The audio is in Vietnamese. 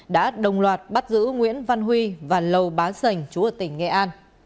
đã đồng loạt bắt giữ nguyễn văn huy và lầu bá sành chú ở tỉnh nghệ an